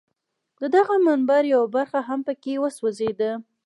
د دغه منبر یوه برخه هم په کې وسوځېده.